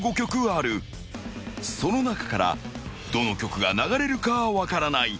［その中からどの曲が流れるかは分からない］